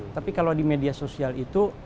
tapi kalau di media sosial itu